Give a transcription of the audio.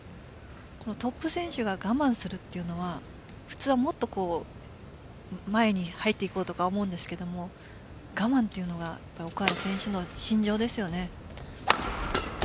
トップ選手が我慢するというのは普通はもっと前に入っていこうとか思うんですが我慢というのが奥原選手の信条ですよね。」